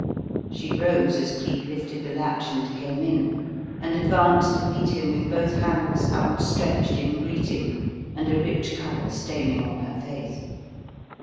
She rose as Cleek lifted the latch and came in, and advanced to meet him with both hands outstretched in greeting and a rich colour staining all her face.